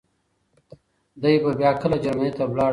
دی به بيا کله جرمني ته لاړ نه شي.